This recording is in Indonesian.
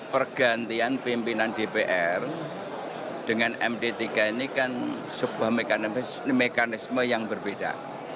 pergantian pimpinan dpr dengan md tiga ini kan sebuah mekanisme yang berbeda